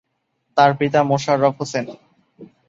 তার পিতা মোশাররফ হোসেন।